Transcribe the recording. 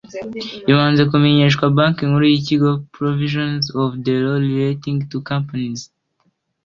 bibanje kumenyeshwa banki nkuru ikigo provisions of the law relating to companies